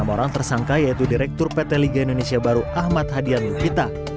enam orang tersangka yaitu direktur pt liga indonesia baru ahmad hadian lukita